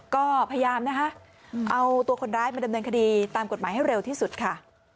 ก็พยายามนะคะเอาตัวคนร้ายมาดำเนินคดีตามกฎหมายให้เร็วที่สุดค่ะ